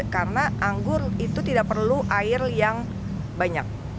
karena anggur itu tidak perlu air yang banyak